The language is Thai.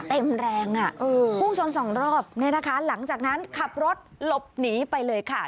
เต็มแรงคู่ชน๒รอบหลังจากนั้นขับรถหลบหนีไปเลยค่ะ